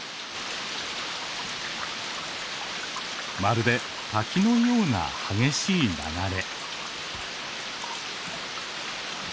まるで滝のような激しい流れ。